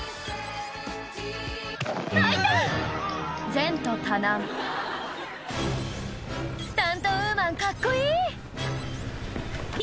前途多難スタントウーマンカッコいい！